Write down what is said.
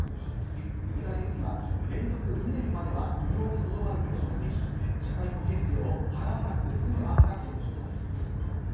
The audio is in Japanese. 具体的には連続２年までは扶養にとどまることができ、社会保険料を払わなくて済む案が検討されています。